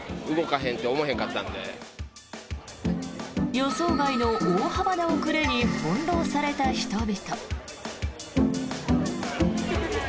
予想外の大幅な遅れに翻ろうされた人々。